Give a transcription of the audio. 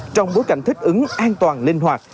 trong bối cảnh thích ứng an toàn linh hoạt